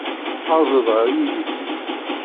Aẓ-d ɣer yidis-iw.